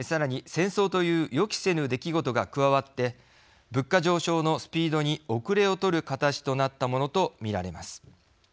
戦争という予期せぬ出来事が加わって物価上昇のスピードに後れを取る形となったものとみられます。